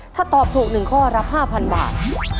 ถ้าตอบถูก๑ข้อรับ๕๐๐บาท